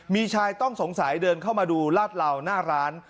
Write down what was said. มีชายต้องสงสัยเดินเข้ามาดูลาดเหล่าหน้าร้าน